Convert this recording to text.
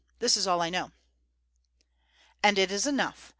This is all I know." "And it is enough.